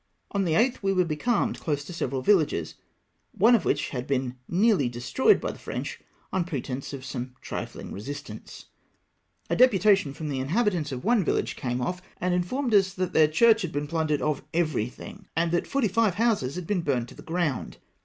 VOL. I. s 258 THE FRENCH IN MATARO. On the 8tli we were becalmed close to several vil lages, one of which had been nearly destroyed by the French on pretence of some trifling resistance. A de putation from the inhabitants of one village came off, and informed us that theu^ church had been plundered of everything, and that forty five houses had been burned to the ground.